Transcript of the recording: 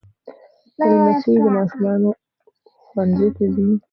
لمسی د ماشومانو ښوونځي ته ځي.